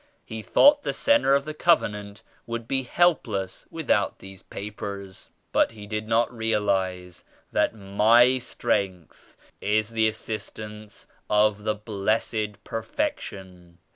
He thought the Centre of the Covenant would be helpless without these papers. But he did not realize that my strength is the assistance of the Blessed Perfection.